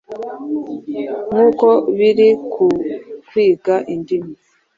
Nk’uko biri ku kwiga indimi,